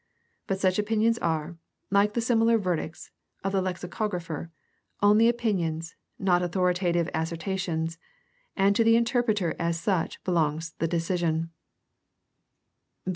But such opinions are, like the similar verdicts of the lexicog rapher, only opinions, not authoritative assertions, and to the interpreter as such belongs the decision.